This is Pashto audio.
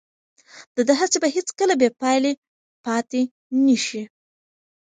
د ده هڅې به هیڅکله بې پایلې پاتې نه شي.